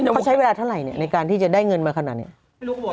เขาใช้เวลาเท่าไหร่ในการที่จะได้เงินมาขนาดนี้